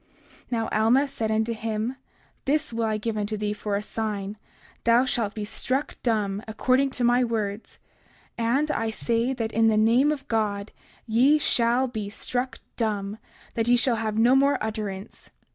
30:49 Now Alma said unto him: This will I give unto thee for a sign, that thou shalt be struck dumb, according to my words; and I say, that in the name of God, ye shall be struck dumb, that ye shall no more have utterance.